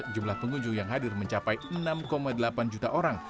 jumlah pengunjung yang hadir mencapai enam delapan juta orang